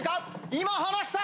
今離した！